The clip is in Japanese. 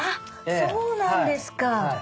そうなんですか。